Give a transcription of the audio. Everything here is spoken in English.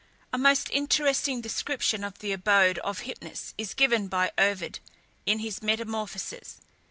A most interesting description of the abode of Hypnus is given by Ovid in his Metamorphoses.